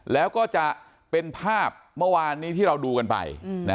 แล้วก็จะเป็นภาพเมื่อวานนี้ที่เราดูกันไป